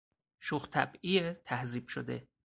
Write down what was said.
شوخ طبعی تهذیب شده